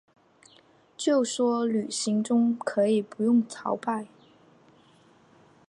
就说旅行中可以不用朝拜